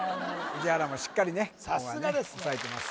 宇治原もしっかりね押さえてます